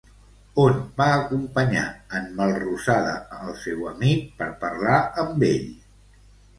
On va acompanyar en Melrosada el seu amic per parlar amb ell?